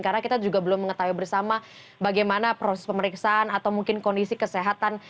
karena kita juga belum mengetahui bersama bagaimana proses pemeriksaan atau mungkin kondisi kesehatan